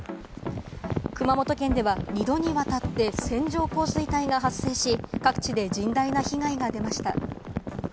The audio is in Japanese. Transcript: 熊本県では２度にわたって線状降水帯が発生し、各地で甚大な被害が出ました。